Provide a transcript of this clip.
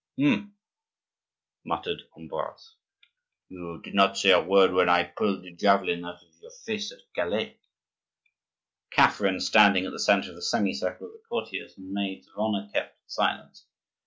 "Hum!" muttered Ambroise, "you did not say a word when I pulled the javelin out of your face at Calais." Catherine, standing at the centre of a semicircle of the courtiers and maids of honor, kept silence.